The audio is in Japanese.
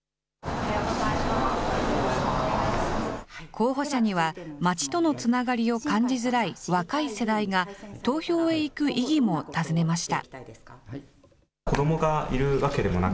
候補者には、街とのつながりを感じづらい若い世代が、投票へ行く意義も尋ねました。